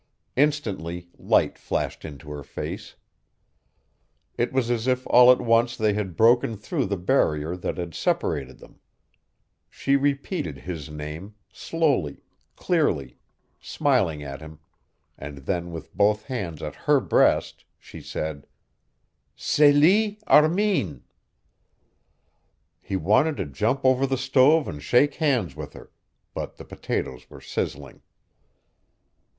Instantly light flashed into her face. It was as if all at once they had broken through the barrier that had separated them. She repeated his name, slowly, clearly, smiling at him, and then with both hands at her breast, she said: "Celie Armin." He wanted to jump over the stove and shake hands with her, but the potatoes were sizzling.